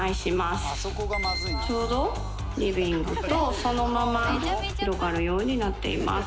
ちょうどリビングとそのまま広がるようになっています。